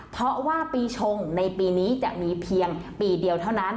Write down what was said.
เพราะว่าปีชงในปีนี้จะมีเพียงปีเดียวเท่านั้น